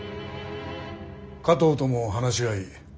加藤とも話し合い。